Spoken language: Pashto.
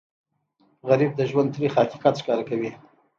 غریب د ژوند تریخ حقیقت ښکاره کوي